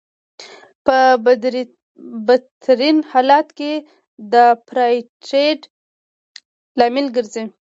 په بدترین حالت کې د اپارټایډ لامل ګرځي.